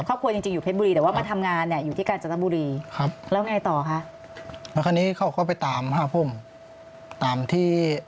ครอบครัวจริงอยู่เพชรบุรีแต่ว่ามาทำงานอยู่ที่พักธาบุรี